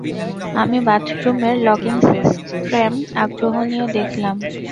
আমি বাথরুমের locking system আগ্রহ নিয়ে দেখলাম।